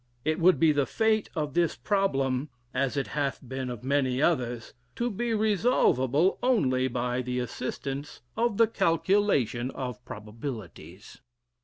It would be the fate of this problem, as it hath been of many others, to be resolvable only by the assistance of the calculation of probabilities."